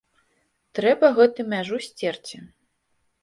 Трэба гэту мяжу сцерці.